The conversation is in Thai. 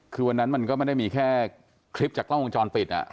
คือวันนั้นมันก็ไม่ได้มีแค่คลิปจากกล้องวงจรปิด